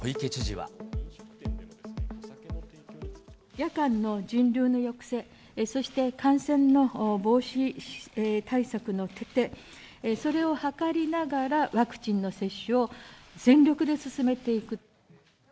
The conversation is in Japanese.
夜間の人流の抑制、そして感染の防止対策の徹底、それを図りながら、ワクチンの接種を全力で進めていく。